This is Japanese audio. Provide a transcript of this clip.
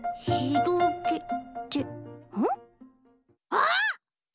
あっ！